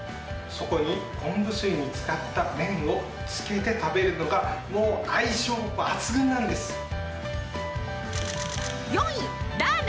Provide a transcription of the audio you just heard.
そこに昆布水に浸かった麺をつけて食べるのがもう相性抜群なんです。